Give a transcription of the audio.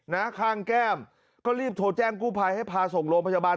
นะข้างแก้มก็รีบโทรแจ้งกู้ภัยให้พาส่งโรงพยาบาล